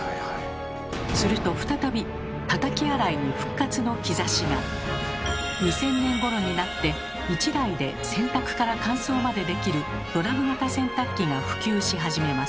すると再び２０００年ごろになって１台で洗濯から乾燥までできるドラム型洗濯機が普及し始めます。